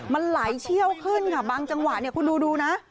มันไหลเชี่ยวขึ้นค่ะบางจังหวะเนี่ยคุณดูนะ